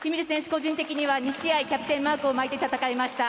個人的には２試合キャプテンマークを巻いて戦いました。